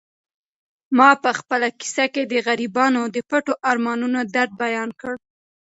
ما په خپله کیسه کې د غریبانو د پټو ارمانونو درد بیان کړ.